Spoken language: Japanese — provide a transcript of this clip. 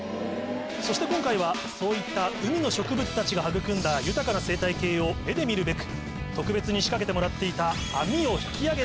そして今回はそういった海の植物たちが育んだ豊かな生態系を目で見るべく特別に仕掛けてもらっていた。